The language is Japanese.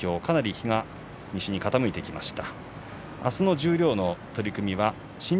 日ざしが西に傾いてきました。